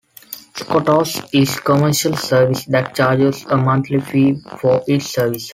Skotos is a commercial service that charges a monthly fee for its services.